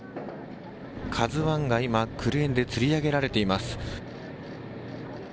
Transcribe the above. ＫＡＺＵＩが今、クレーンでつり上げられています。